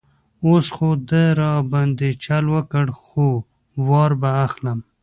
اوس خو ده را باندې چل وکړ، خو وار به اخلم.